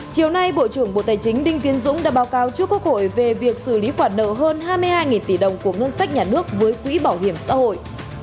chiều nay bộ trưởng bộ tài chính đinh tiến dũng đã báo cáo trước quốc hội về việc xử lý khoản nợ hơn hai mươi hai tỷ đồng của ngân sách nhà nước với quỹ bảo hiểm xã hội